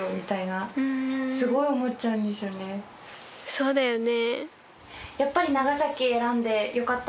そうだよね。